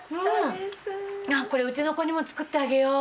これうちの子にも作ってあげよう。